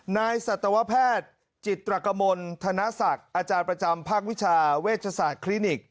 สัตวแพทย์จิตรกมลธนศักดิ์อาจารย์ประจำภาควิชาเวชศาสตร์คลินิก